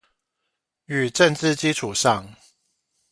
與政治基礎上